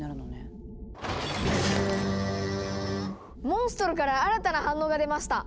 モンストロから新たな反応が出ました！